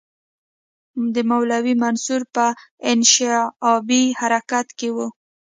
د مولوي منصور په انشعابي حرکت کې وو.